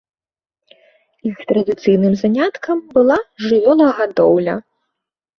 Іх традыцыйным заняткам была жывёлагадоўля.